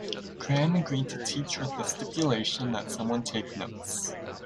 Graham agreed to teach with the stipulation that someone take notes.